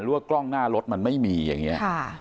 ว่ากล้องหน้ารถมันไม่มีอย่างนี้